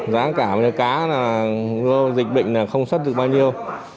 giá cả cá dịch bệnh không xuất được bao nhiêu